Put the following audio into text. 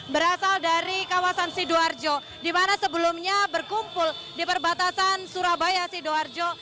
berasal dari kawasan sidoarjo di mana sebelumnya berkumpul di perbatasan surabaya sidoarjo